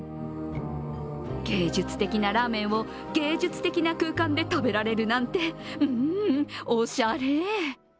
芸術的なラーメンを芸術的な空間で食べられるなんて、おしゃれ。